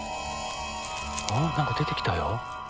何か出てきたよ。